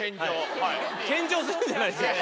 献上するんじゃないですね？